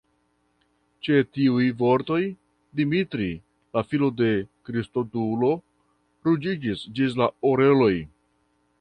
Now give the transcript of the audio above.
Ĉe tiuj vortoj, Dimitri, la filo de Kristodulo, ruĝiĝis ĝis la oreloj.